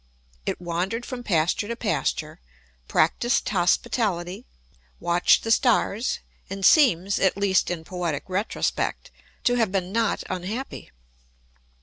It wandered from pasture to pasture, practised hospitality, watched the stars, and seems (at least in poetic retrospect) to have been not unhappy.